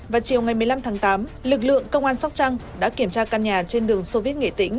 vào chiều ngày một mươi năm tháng tám lực lượng công an sóc trăng đã kiểm tra căn nhà trên đường soviet nghệ tĩnh